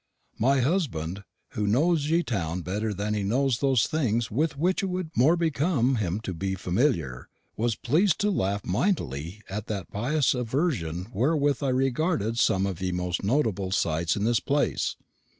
My husband, who knows ye towne better than he knows those things with wich it would more become him to be familiar, was pleas'd to laugh mightily at that pious aversion wherewith I regarded some of ye most notable sights in this place.